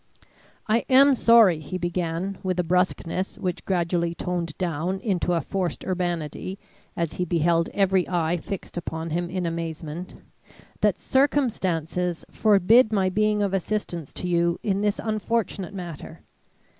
"I am sorry," he began, with a brusqueness which gradually toned down into a forced urbanity as he beheld every eye fixed upon him in amazement, "that circumstances forbid my being of assistance to you in this unfortunate matter.